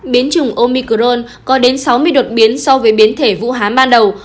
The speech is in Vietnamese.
biến chủng omicrone có đến sáu mươi đột biến so với biến thể vũ hán ban đầu